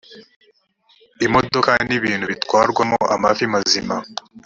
imodoka n ibintu bitwarwamo amafi mazima